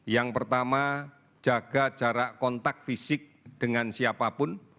yang pertama jaga jarak kontak fisik dengan siapapun